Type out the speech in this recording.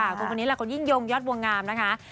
คุณคนนี้คือคนยิ่งยงยอดบวงงามนะคะ